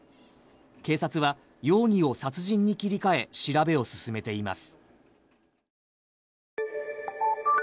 警察は容疑を殺人に切り替え調べを進めています